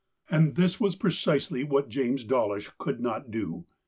And this was precisely what James Dawlish could not do.